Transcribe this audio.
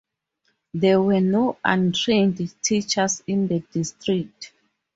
There were no untrained teachers in the district.